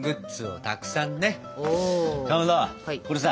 かまどこれさ